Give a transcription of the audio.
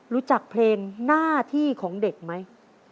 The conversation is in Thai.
รู้จักเพลงหน้าที่ของเด็กไหม